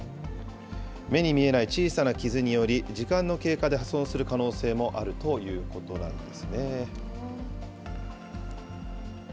目に見えない小さな傷により、時間の経過で破損する可能性もあるということなんですね。